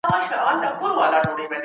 زه اوس کتابتون ته ځم.